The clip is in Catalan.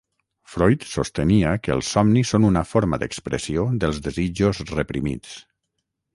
Freud sostenia que els somnis són una forma d'expressió dels desitjos reprimits